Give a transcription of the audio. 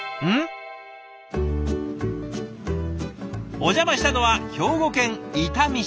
お邪魔したのは兵庫県伊丹市。